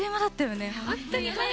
本当に早い！